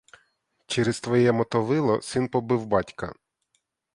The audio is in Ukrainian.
Через твоє мотовило син побив батька.